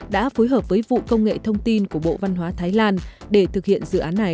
đã phối hợp với vụ công nghệ thông tin của bộ văn hóa thái lan để thực hiện dự án này